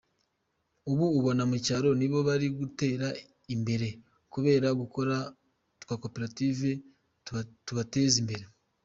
Ubu abo mu cyaro nibo bari gutera imbere kubera gukora twa cooperative tubateza imbere.